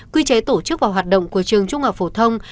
quy chế tổ chức và hoạt động của trường trung học phổ thông